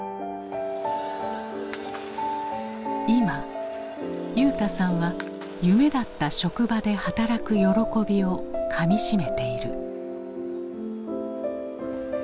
今裕大さんは夢だった職場で働く喜びをかみしめている。